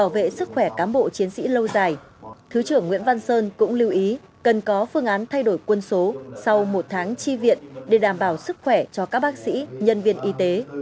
và các bác sĩ lâu dài thứ trưởng nguyễn văn sơn cũng lưu ý cần có phương án thay đổi quân số sau một tháng chi viện để đảm bảo sức khỏe cho các bác sĩ nhân viên y tế